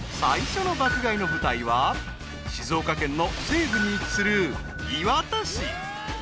［最初の爆買いの舞台は静岡県の西部に位置する］